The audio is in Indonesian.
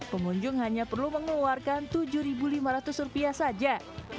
pengunjung hanya perlu mengeluarkan rp tujuh lima ratus saja